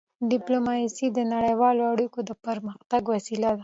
ډیپلوماسي د نړیوالو اړیکو د پرمختګ وسیله ده.